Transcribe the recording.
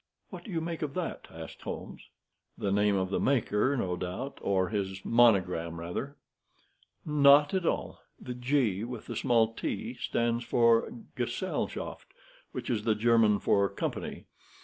"What do you make of that?" asked Holmes. "The name of the maker, no doubt; or his monogram, rather." "Not all. The G with the small t stands for 'Gesellschaft,' which is the German for 'Company.'